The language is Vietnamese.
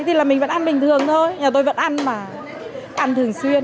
thì là mình vẫn ăn bình thường thôi nhà tôi vẫn ăn mà ăn thường xuyên